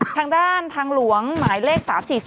ทางด้านทางหลวงหมายเลข๓๔๐